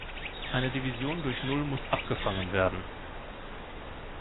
Eine Division durch null muss abgefangen werden.